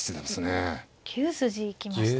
９筋行きましたね。